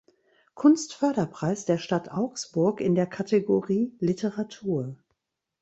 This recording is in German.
Kunstförderpreis der Stadt Augsburg in der Kategorie „Literatur“.